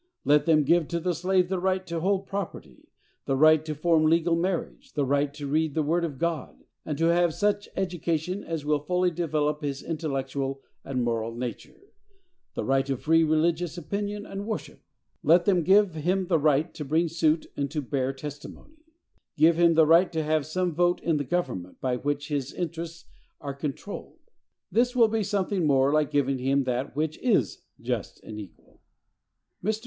Let them give to the slave the right to hold property, the right to form legal marriage, the right to read the word of God, and to have such education as will fully develop his intellectual and moral nature; the right of free religious opinion and worship; let them give him the right to bring suit and to bear testimony; give him the right to have some vote in the government by which his interests are controlled. This will be something more like giving him that which is "just and equal." Mr.